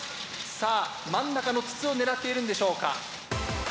さあ真ん中の筒を狙っているんでしょうか？